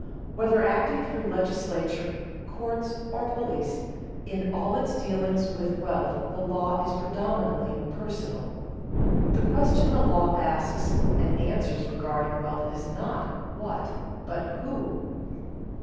Whether acting through legislature, courts, or police, in all its dealings with wealth the law is predominantly personal. The question the law asks and answers regarding wealth is not What, but _Who?